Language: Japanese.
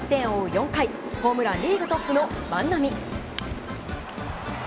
４回ホームランリーグトップの万波。